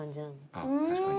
あぁ確かに。